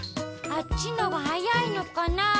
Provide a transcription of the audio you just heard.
あっちのがはやいのかな。